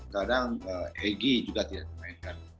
kadang egy juga tidak dimainkan